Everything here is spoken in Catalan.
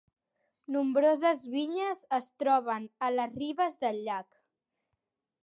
Nombroses vinyes es troben a les ribes del llac.